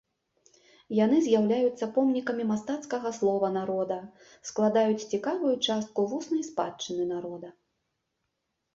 Яны з'яўляюцца помнікамі мастацкага слова народа, складаюць цікавую частку вуснай спадчыны народа.